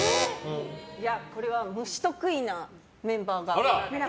これは虫、得意なメンバーが。